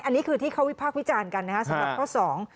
อันนี้คือที่เขาวิพากษ์วิจารณ์กันนะฮะสำหรับข้อสอง